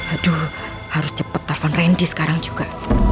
aduh harus cepat tavan rendi sekarang juga